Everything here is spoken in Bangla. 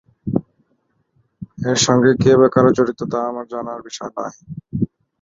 এর সঙ্গে কে বা কারা জড়িত, তা আমার জানার বিষয় নয়।